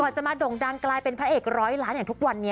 จะมาด่งดังกลายเป็นพระเอกร้อยล้านอย่างทุกวันนี้